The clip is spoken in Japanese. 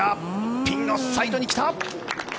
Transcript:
ピンのサイドに来た。